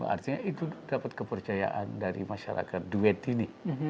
artinya itu dapat kepercayaan dari masyarakat duet ini